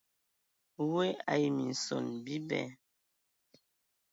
Woe ai minson bibɛ.